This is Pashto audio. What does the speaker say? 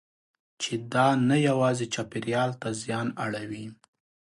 چې دا نه یوازې چاپېریال ته زیان اړوي.